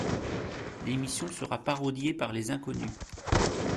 L'émission sera parodiée par les Inconnus.